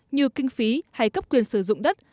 như kinh phí hay cấp quyền sử dụng đất